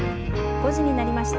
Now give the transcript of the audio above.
５時になりました。